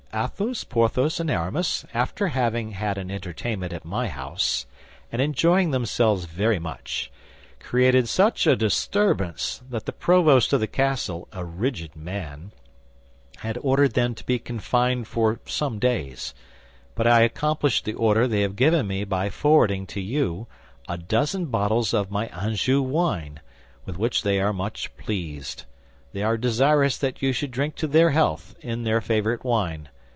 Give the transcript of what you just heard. Athos, Porthos, and Aramis, after having had an entertainment at my house and enjoying themselves very much, created such a disturbance that the provost of the castle, a rigid man, has ordered them to be confined for some days; but I accomplish the order they have given me by forwarding to you a dozen bottles of my Anjou wine, with which they are much pleased. They are desirous that you should drink to their health in their favorite wine.